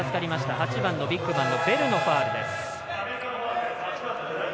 ８番のビッグマンのベルのファウルです。